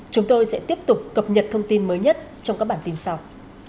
chúng tôi sẽ tiếp tục cập nhật thông tin mới nhất trong các bản tin sau